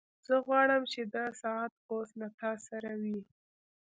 زه غواړم چې دا ساعت اوس له تا سره وي